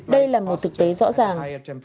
đây là một thực tế rõ ràng